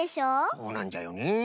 そうなんじゃよね。